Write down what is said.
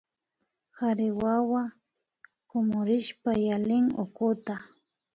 Kari wawa kumurishpa yalin hutkuta